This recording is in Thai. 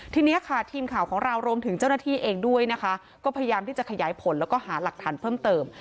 ทีนี้ค่ะทีมข่าวของเรารวมถึงเจ้าหน้าที่เองด้วยนะคะก็พยายามที่จะขยายผลแล้วก็หาหลักฐานเพิ่มเติม